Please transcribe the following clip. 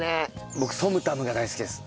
僕ソムタムが大好きです。